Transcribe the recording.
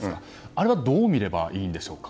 あれは、どう見ればいいんでしょうか。